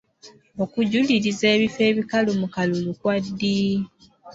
Okujjuliriza ebifo ebikalu mu kalulu kwa ddi?